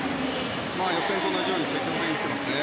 予選と同じように積極的に来ていますね。